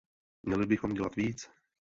Měli bychom dělat víc?